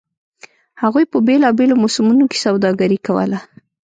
هغوی په بېلابېلو موسمونو کې سوداګري کوله.